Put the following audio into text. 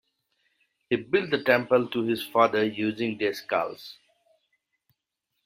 He built a temple to his father using their skulls.